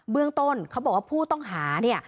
เรื่องต้นเขาบอกว่าผู้ต้องหาเนี่ย